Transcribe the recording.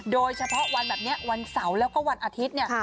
โดยเฉพาะวันแบบนี้วันเสาร์แล้วก็วันอาทิตย์เนี่ย